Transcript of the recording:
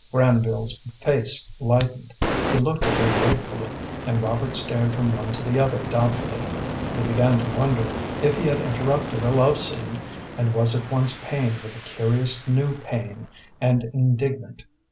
Granville's face lightened, he looked at her gratefully, and Robert stared from one to the other doubtfully. He began to wonder if he had interrupted a love scene, and was at once pained with a curious, new pain, and indignant.